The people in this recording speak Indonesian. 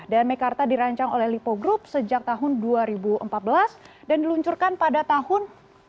dan mekarta dirancang oleh lipo group sejak tahun dua ribu empat belas dan diluncurkan pada tahun dua ribu tujuh belas